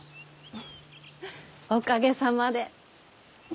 おかげさまで。